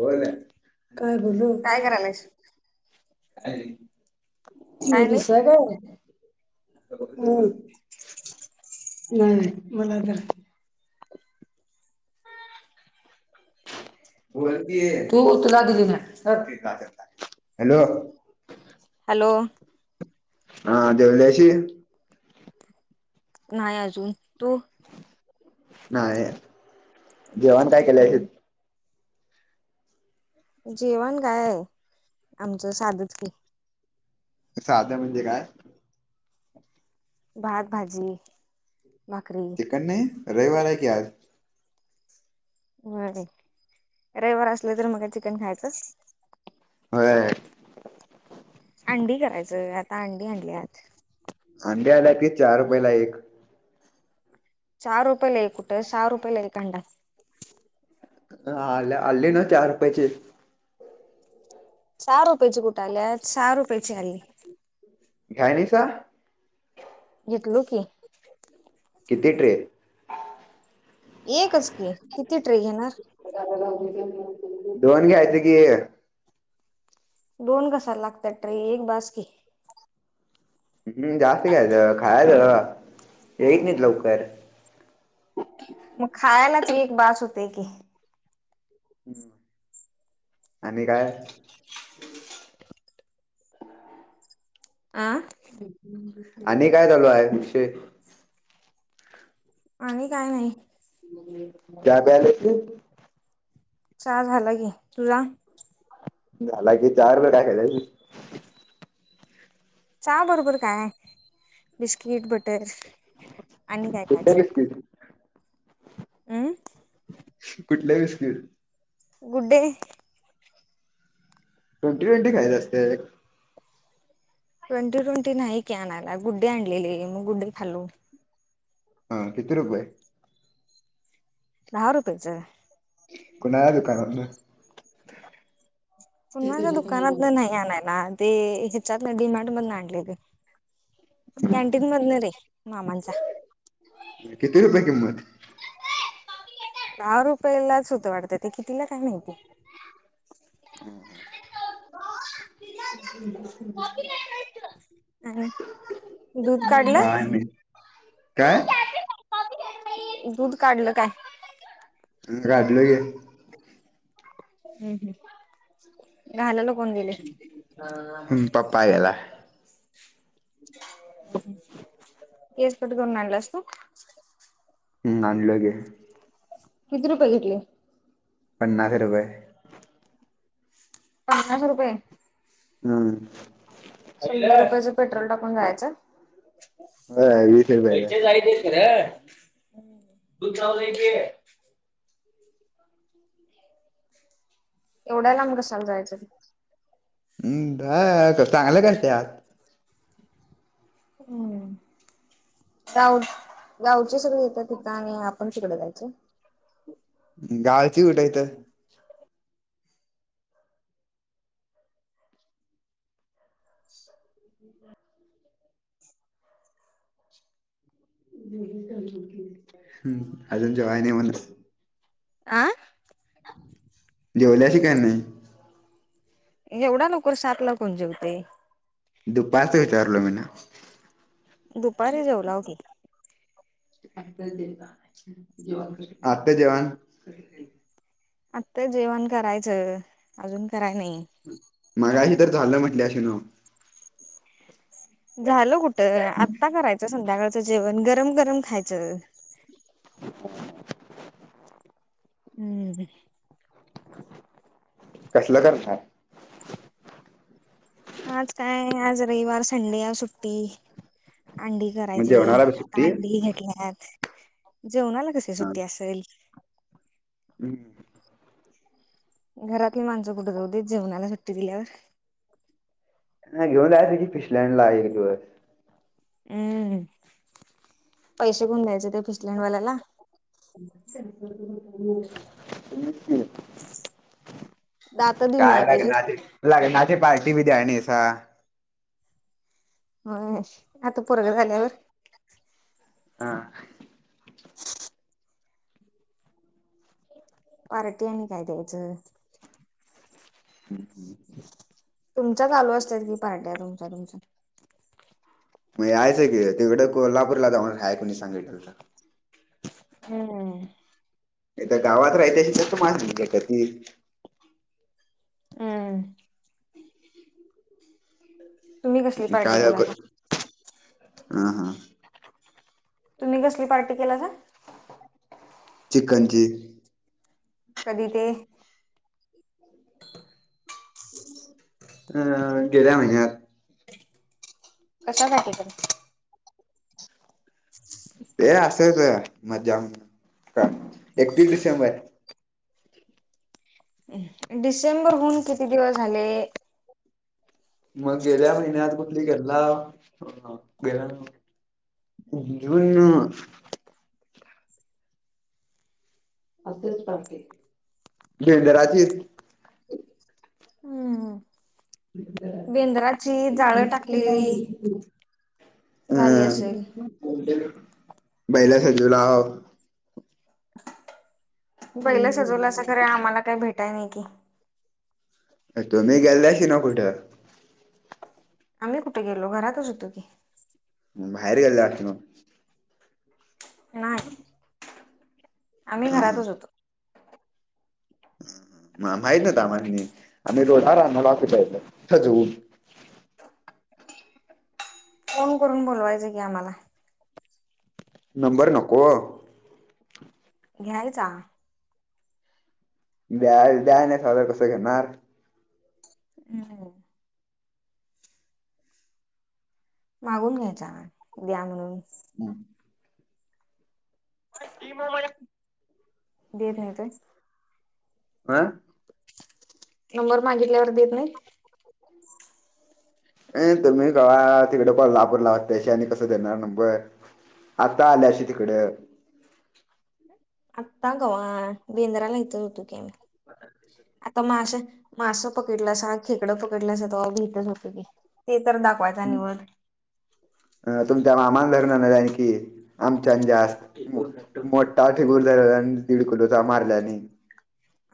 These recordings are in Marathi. बोल काय बोल काय [unintelligible] करायलास त काय नाही रसा का [unintelligible] हूं नाही मला धर. बोलकी तू तुला दिली हॅलो [unintelligible] हॅलो! हा देवल्याशी नाही अजून तू? नाही जेवण काय केलं? हम् जेवण काय आमचं साधच की. साध म्हणजे काय? भात, भाजी, भाकरी. कणी रईवार आहे की आज. व्हयं रयीवार असल तर मग काय चिकन खायचं. व्हयं! अंडी करायचं आता अंडी आणल्यात. अंडे आल्या की चार रुपयाला एक. चार रुपया ला एक कुठ सहा रुपयला एक अंडा. न आल्या, आले, ना चार रुपयाचे. चार रुपयाची कुठ आल्यात सहा रुपयाेची आली. घायनीसा. घेतलो की. किती ट्रे. एकच की किती ट्रे घेणार. दोन घ्यायचे की. दोन कश्याला लागतात ट्रे एक बाासकी. हम्म जास्त घ्यायचं खायचं येत नाहीत लवकर. मग खायलाच एक बास होतय की. हम् आणि काय? ह [inaudible] आं आणि काय चालू आहे वाषय? आणि काय नाही. काय प्यायलेस हे? चचा झाला की तुझा. झाला की चार वे टाकला [unintelligible] हा बरोबर काय बिस्किट बटर आणि काय कुठलं खायचं? बिस्किट हम. कुठल्या बिस्किट? गुड्डे ट्वेंटी ट्वेंटी खायच असतय ट्वेंटी ट्वेंटी नाही की आणयला गुड्डे आणलेले मग गु्डे खाल्लो. हा किती रुपये? दहा रुपयेचं. कुणाच्या दुकानातन? कुणाच्या दुकानातन नाही आणायला ते ह्याच्यात डिमार्ट मधून आणलेँल. कॅन्टीन मधन रे मामांचा. किती रुपये किंमत दहा रुपयालाच होत वाटत ते कितीला काय माहीती? आणि दूध [unintelligible] काय काढलं नाही काय? दूध काढलं काय? काढल की. हम् हम्. घालायला कोण गेलं? पप्पा गेलाय. केस कट करून आणलास तू? हम् आणलं कि. किती रुपये घेतले? पन्नास रुपये. पन्नास रुपये हम्म. शंभर रुपयाच पेट्रोल टाकून जायचं होय वीस रुपयाचा पैसे जायचे खर दूध लाव जायचे [unintelligible] ह [inaudible] एवढ्या लांब कशाला जायचं? हम् ब चांगलं करत्यात. हम्म गाव गावचे सगळे येतात तिथं आणि आपण तिकडे जायचं. गावची कुठे येतात? हम्म [inaudible] अजून जेवाय नाही म्हणस आ जेवल्याशी काय नाही? एवढ्या लवकर सातला कोण जेवतेय? दुपारच विचारलो मी न. दुपारी जेवलाव कि. आता जेवण आत्ता जेवण करायचं अजून कराय नाही. मगाशी तर झालं म्हटल्या शिनो. झाल कुठं आता करायचं संध्याकाळचं जेवण गरम गरम खायचं. ह [inaudible] हम्. कसलं करताय. आज काय आज रविवार, संडे सुट्टी अंडी. मग करायची जेवणाला बी आता सुट्टी अंडी घेटल्यात, जेवणाला कस सुट्टी असेल. हम्म. घरातली माणसं कुठे जाऊ दे जेवणाला सुट्टी दिल्यावर. नाही घेऊन जायचं की पिशल्यां ला एक दिवस. हम्म, पैसे कोन द्यायचे ते फिचल्याडवाल्याला. [unintelligible] दात देऊन याय काय पाहिजेत. लग्ना ची लग्ना पार्टी बी द्याय नाहीस. हो, आता पोरग झाल्यावर. हा. ह [inaudible] पार्टी आणि काय द्यायचं. हम्म हम्. तुमच्या चालू असतात की पार्ट्या तुमच्या, तुमच्या. मग यायचं की तिकड कोल्हापूरला जाऊन खयाय कोणी सांगितलं होत. हम्म. गावात राहत्या माझ का ती. हम्म. तुम्ही कसली पार्टी काया कर केलासा हा हा. तुम्ही कसली पार्टी केला सा? चिकन ची. कधी ते. ह [inaudible] तेनव. अ गेल्या महिन्यात. कशासाठी पण. ह् [inaudible] ते असंच मज्जा म्हजा का एकतीस डिसेंबर. डिसेंबरहून किती दिवस झाले. मग गेल्या महिन्यात कुठली गल्ला गे. जून. असेच पार्टी, बेंद्राची. हम्म [unintelligible] बेंद्राची जाळं टाकलेली झाली हम् असेल. बैला सजूलाव. पहिलं सजवलं असं खरं आम्हाला काही भेटाय नाही की. तुम्ही गेल्याशी ना कुठं. आम्ही कुठे गेलो घरातच होतो की. बाहेर गेले जाख मग. नाही. आम्ही ह घरातच होतो. माहित ना आम्हांनी, आम्ही रोडार आमला पाहि सजव. फोन करून बोलवायचा की आम्हाला. नंबर नको. घ्यायचा. द्या द्या नाही सादर कसं घेणार हम् मागून घ्यायचा द्या म्हणून हम् स्कीम देत नाहीतय आं नंबर मागितल्यावर देत नाही [inaudible] अ तुम्ही कावा तिकडे कॉल्हापूर लावता त्याशी आणि कसं देणार नंबर. आता आल्या अशी तिकड आत्ता गवा बेंद्राला इथंच होतो की अमी ब आता मास मासं पकडलं अस खेकडं पकडलं अस ते भटत होत की ते तर दाखव पयचा निववरद. अ तुमच्या मामान धरणान की आमच्या जास्त मोठा ठिगूर झाले आणि दीड कुलोचा मारल्याने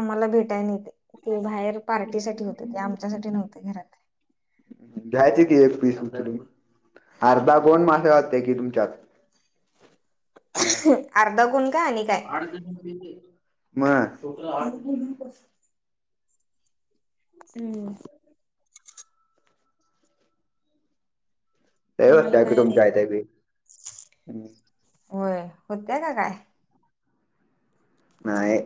आम्हाला भेटाय नाही ते बाहेर पार्टीसाठीठी होते ते आमच्यासाठीठी नव्हते घरात घ्यायचे कि एक पीस अर्धा गोन मासे वाते कि तुमच्यात अर्धा गुण का आणि काय मं हम्म लय आम्हाला होत्या की काय तुमच्या इथे बी होय होत्या का काय नाही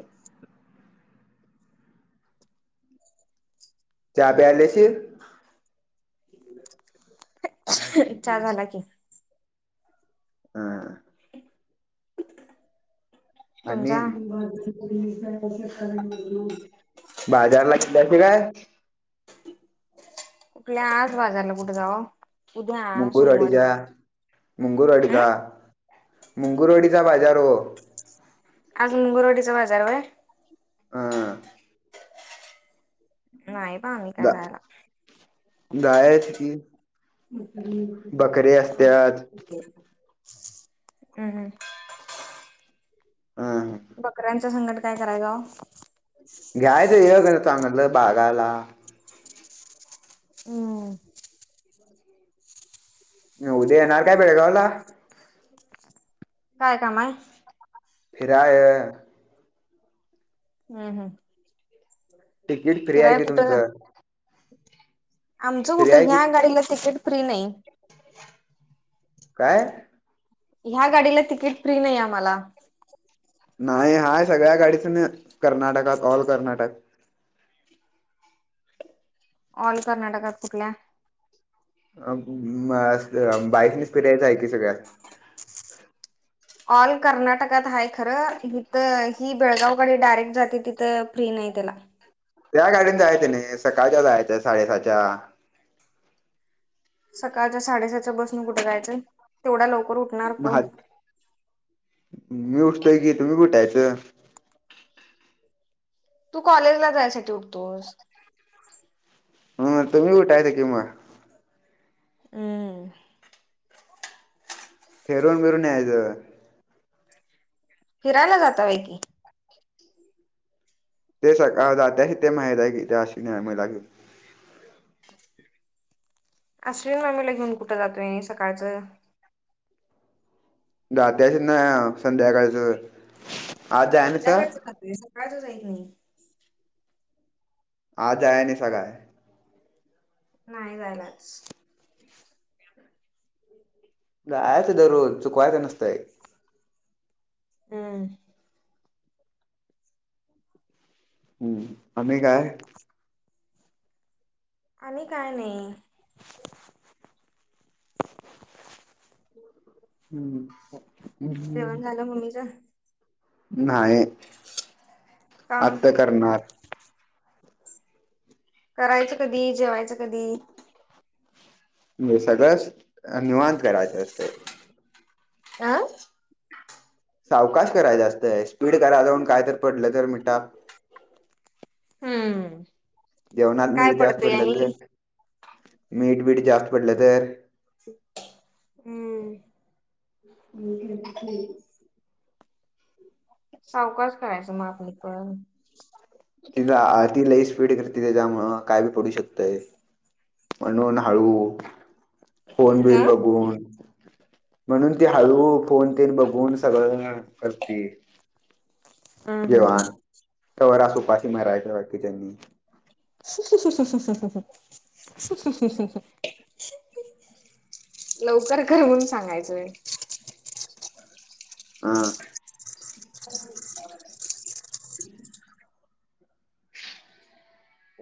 चहा प्यायला येशील च झाला की हम अन तुमचा बाजारला किल्याचे काय कुठल्या आज बाजारला कुठे जाऊ उद्या आ सोमवारी. अ मुंगुरवाडीचा मुंगुरवाडीचा बाजार हो आज मुंगरवाडीचा बाजारवर हा नाही बा आम्ही काय जायना गयच कि बके असत्यात हम्म हम ह बकऱ्यांचा संकट काय कराय ग घ्यायच हे कर चांगतलं बागाला हम् [inaudible] उद्या येणार काय भेळगावला. काय कामाय. फिर आय. हम् हम तिकीट फ्री आहे किराय की कुठं तुमचं आमचं फ्री कुठं आहे की ह्या गाडीला तिकीट फ्री नाही काय ह्या गाडीला तिकीट फ्री नाही आम्हाला नाही हाय सगळ्या गाडीच कर्नाटकात ऑल कर्नाटक. ऑल कर्नाटकात कुठल्या? बाईकनेच फिरायचं आहे की सगळ्या. ऑल कर्नाटकात आहे खरं इिथं ही बेळगावकडे डायरेक्ट जाते तिथं फ्री नाही त्याला. त्या गाडीने जायचं नाही सकाळच्या जायचं साडेसहाच्या. सकाळच्या साडेसहाच्या बसून कुठे जायचं तेवढा लवकर उठणार कोण? मी उठतोय की तुम्ही उठायचं. तू कॉलेजला जायसाठी उठतोस. हम्म तुम्ही उठायचं की मग. हम्म फिरवून बीरून यायचं. फिरायला जाता व्हय. ते सकाळ जातय ते महिला आहे त्या अशी निम लागे. अश्विनी मामीला घेऊन कुठं जातोय सकाळचं? जात्यात ना संध्याकाळच. संध्याकाळचं खातंय सकाळच जाईत नाही. आज आहे आणि सकाळ. नाही जायलाच. जायचं तर रोज चुकवायचं नसतंय. हम्म हम्म आणि काय? आणि काय नाही. हम्म जेवण झालं मम्मीच? नाही का आत्ता करणार. करायचं कधी जेवायचं कधी? म्हणजे सगळं निवांत करायचं असत. आं सावकाश कराय जास्त आहे स्पीड कराय जाऊन काय तर पडलं तर मिठात. हम्म जेवणात काय मीठ जास्त पडतंय पडलं आणि तर मीठ बीठ जास्त पडलं तर? हम्म [inaudible] सावकाच करायचं मा आपल [unintelligible] तिला ति लई स्पीड कर ति त्याच्यामुळ काय बी पडू शकतय. म्हणन हाळू. फोन बिन अं बघून म्हणून ते हळू फोन तेन बघून सगळं. कर्ती. हम् हम हम जेवाण तवरस उपाशी मारयच्या बाकीच्यांनी. [inaudible] लवकर कर म्हणून सांगायचं. हां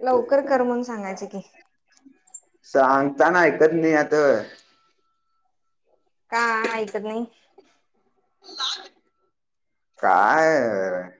लवकर कर म्हणून सांगायच की? सांगताना ऐकत नाही आता. का ऐकत नाही? काय